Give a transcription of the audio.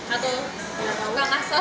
atau nggak kasar